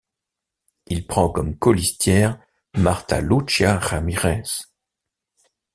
Il prend comme colistière Marta Lucía Ramírez.